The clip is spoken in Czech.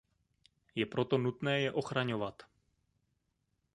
Je proto nutné je ochraňovat.